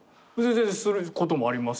することもありますし。